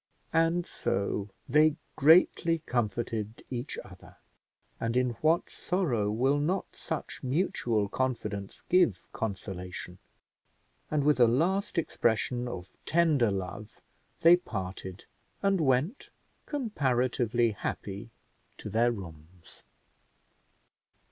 And so they greatly comforted each other; and in what sorrow will not such mutual confidence give consolation! and with a last expression of tender love they parted, and went comparatively happy to their rooms.